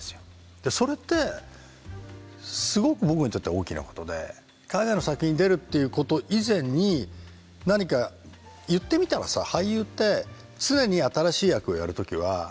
それってすごく僕にとっては大きなことで海外の作品に出るっていうこと以前に何か言ってみたらさ俳優って常に新しい役をやる時は新しい自分になりたいわけですよ。